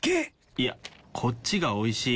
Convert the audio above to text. いやこっちがおいしい。